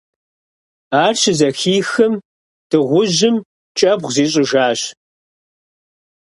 Ар щызэхихым, дыгъужьым кӏэбгъу зищӏыжащ.